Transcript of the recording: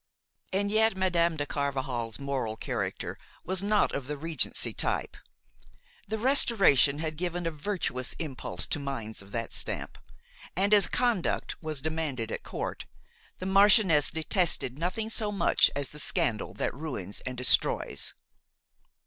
And yet Madame de Carvajal's moral character was not of the Regency type; the Restoration had given a virtuous impulse to minds of that stamp; and as conduct was demanded at court, the marchioness detested nothing so much as the scandal that ruins and destroys.